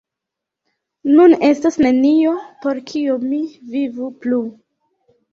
Nun estas nenio, por kio mi vivu plu“.